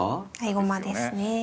合駒ですね。